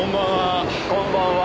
こんばんは。